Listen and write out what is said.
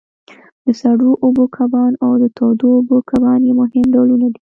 د سړو اوبو کبان او د تودو اوبو کبان یې مهم ډولونه دي.